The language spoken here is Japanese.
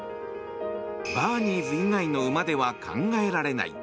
バーニーズ以外の馬では考えられない。